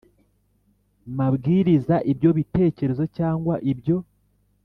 mabwiriza ibyo bitekerezo cyangwa ibyo